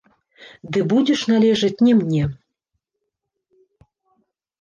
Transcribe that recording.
Ды будзеш належаць не мне.